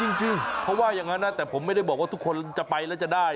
จริงเขาว่าอย่างนั้นนะแต่ผมไม่ได้บอกว่าทุกคนจะไปแล้วจะได้